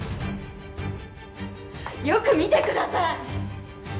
よく見てください。